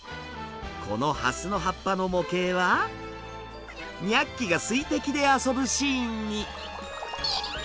このハスの葉っぱの模型はニャッキが水滴で遊ぶシーンに。